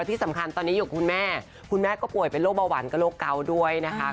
ที่สำคัญตอนนี้อยู่กับคุณแม่คุณแม่ก็ป่วยเป็นโรคเบาหวานกับโรคเกาด้วยนะคะ